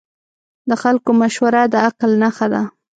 د خلکو مشوره د عقل نښه ده.